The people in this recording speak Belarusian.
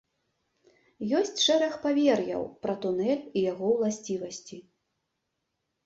Ёсць шэраг павер'яў пра тунэль і яго ўласцівасці.